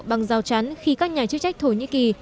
bằng dao chán khi các nhà chức trách thổ nhĩ kỳ